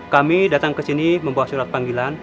kami datang ke sini membawa surat panggilan